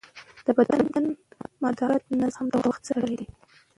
د بدن مدافعت نظام هم د وخت سره تړلی دی.